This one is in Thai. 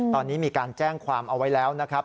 ตอนนี้มีการแจ้งความเอาไว้แล้วนะครับ